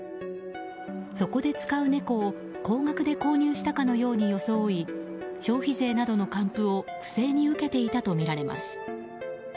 そこで使う猫を高額で購入したかのように装い消費税などの還付を不正に受けていたとみられます。